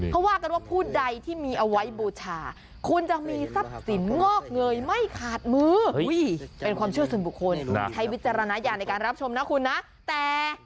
เขาว่ากันว่าผู้ใดที่มีเอาไว้บูชา